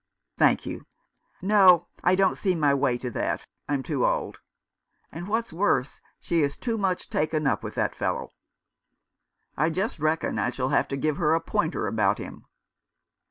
"Thank you. No, I don't see my way to that — I'm too old ; and, what's worse, she is too much taken up with that fellow. I just 334 The American Remembers. reckon I shall have to give her a pointer about him."